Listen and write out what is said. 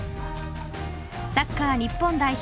サッカー日本代表